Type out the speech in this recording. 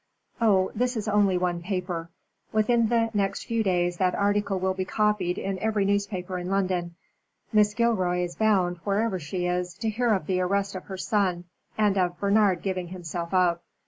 "Oh, this is only one paper. Within the next few days that article will be copied in every newspaper in London. Mrs. Gilroy is bound, wherever she is, to hear of the arrest of her son, and of Bernard giving himself up.